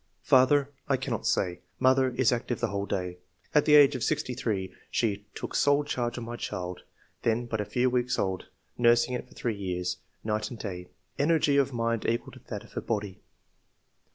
^'Father — I cannot say. Mother — Is active the whole day. At the age of sixty three she took sole charge of my child, then but a few weeks old, nursing it for three years, night and day. Energy of mind equal to that of her body."